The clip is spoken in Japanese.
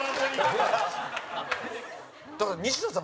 だから、西田さん